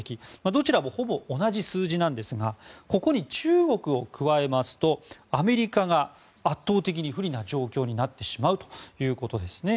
どちらもほぼ同じ数字なんですがここに中国を加えますとアメリカが圧倒的に不利な状況になってしまうということです。